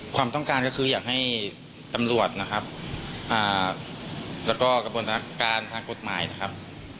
ความต้องการก็คืออยากให้ตำรวจนะครับแล้วก็กระบวนการทางกฎหมายนะครับ